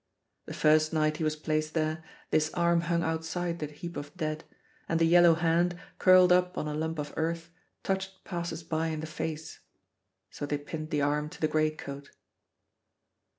The first night he was placed there, this arm hung outside the heap of dead, and the yellow hand, curled up on a lump of earth, touched passers by in the face; so they pinned the arm to the greatcoat.